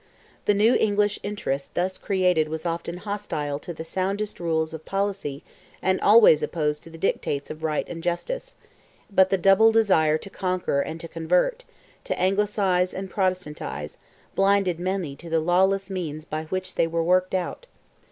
The new "English interest" thus created was often hostile to the soundest rules of policy and always opposed to the dictates of right and justice; but the double desire to conquer and to convert—to anglicize and Protestantize—blinded many to the lawless means by which they were worked out.